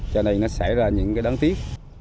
cho nên nó xảy ra những đáng tiếc